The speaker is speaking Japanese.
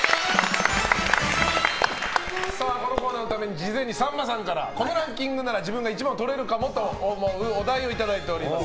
このコーナーのためにさんまさんから事前にこのランキングなら自分が１番をとれるかもと思うお題をいただいております。